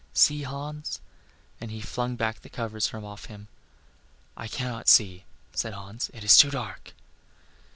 See, Hans;" and he flung back the covers from off him. "I cannot see," said Hans, "it is too dark."